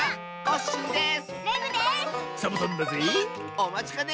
おまちかね！